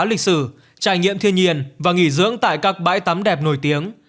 lịch sử trải nghiệm thiên nhiên và nghỉ dưỡng tại các bãi tắm đẹp nổi tiếng